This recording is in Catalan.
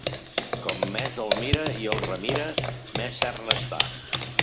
Com més el mira i el remira més cert n'està.